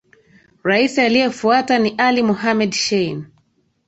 Rais aliyefuata ni Ali Mohamed Shein